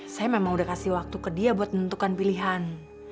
saya memang udah kasih waktu ke dia buat menentukan pilihan